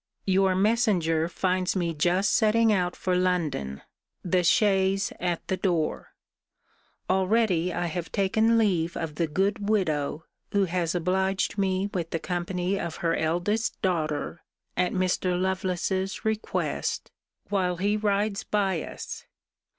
Your messenger finds me just setting out for London: the chaise at the door. Already I have taken leave of the good widow, who has obliged me with the company of her eldest daughter, at Mr. Lovelace's request, while he rides by us.